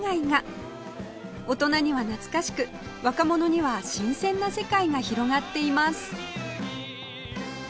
大人には懐かしく若者には新鮮な世界が広がっています